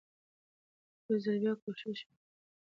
يو ځل بيا کوښښ وکړئ